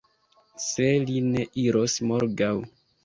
Se li ne iros morgaŭ!